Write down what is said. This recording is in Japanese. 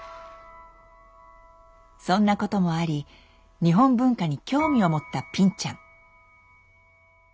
そんなこともあり日本文化に興味を持ったぴんちゃん。